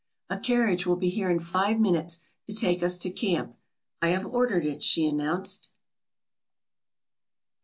"A carriage will be here in five minutes to take us to camp; I have ordered it," she announced.